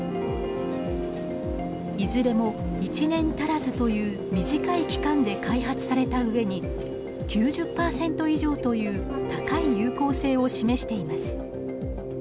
いずれも１年足らずという短い期間で開発されたうえに９０％以上という高い有効性を示しています。